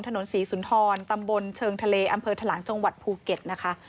ถนนศรีสุนทรตำบลเชิงทะเลอำเภอทะลังจังหวัดภูเก็ตนะคะ